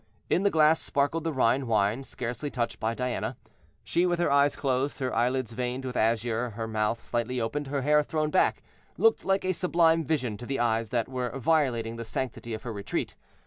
In the glass sparkled the Rhine wine, scarcely touched by Diana. She, with her eyes closed, her eyelids veined with azure, her mouth slightly opened, her hair thrown back, looked like a sublime vision to the eyes that were violating the sanctity of her retreat.